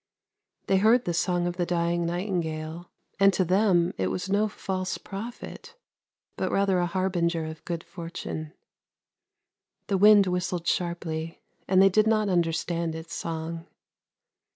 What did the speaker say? They heard the song of the dying nightingale, and to them it was no false prophet, but rather a harbinger of good fortune. The wind whistled sharply, and they did not understand its song.